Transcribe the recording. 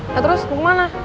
ya terus mau kemana